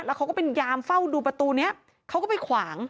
เขาก็เป็นยามเฝ้าดูประตูนี้เขาก็ไปขวาง